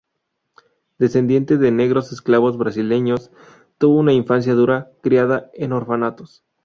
Descendiente de negros esclavos brasileños, tuvo una infancia dura, criada en orfanatos.